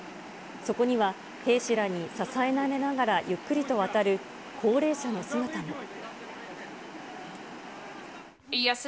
そこには兵士らに支えられながら、ゆっくりと渡る高齢者の姿も。